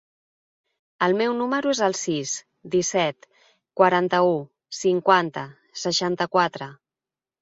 El meu número es el sis, disset, quaranta-u, cinquanta, seixanta-quatre.